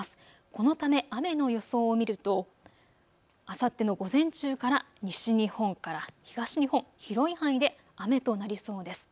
このため雨の予想を見るとあさっての午前中から西日本から東日本広い範囲で雨となりそうです。